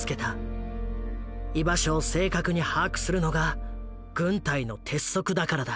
居場所を正確に把握するのが軍隊の鉄則だからだ。